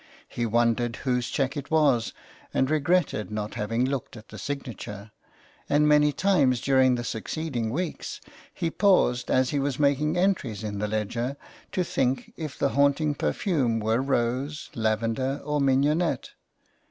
He wondered whose cheque it was, and regretted not having looked at the signature, and many times during the succeeding weeks he paused as he was making entries in the ledger to think if the haunting perfume were rose, lavender, or mignonette.